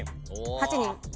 ８人。